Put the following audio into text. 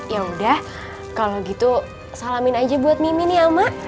yaudah kalau gitu salamin aja buat mimin ya mak